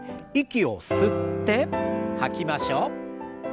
息を吸って吐きましょう。